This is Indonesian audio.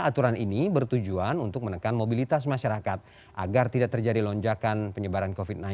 aturan ini bertujuan untuk menekan mobilitas masyarakat agar tidak terjadi lonjakan penyebaran covid sembilan belas